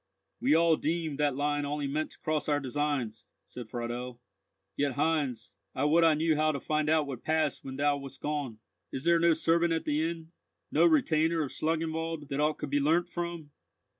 "We all deem that line only meant to cross our designs," said Friedel. "Yet, Heinz, I would I knew how to find out what passed when thou wast gone. Is there no servant at the inn—no retainer of Schlangenwald that aught could be learnt from?"